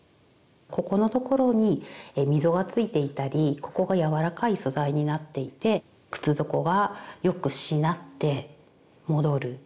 ここのところに溝がついていたりここがやわらかい素材になっていて靴底はよくしなって戻る。